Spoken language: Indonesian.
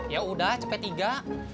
ya udah cepet tiga